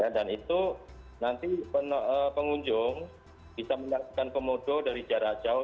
dan itu nanti pengunjung bisa menyaksikan komodo dari jarak jauh